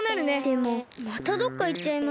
でもまたどっかいっちゃいました。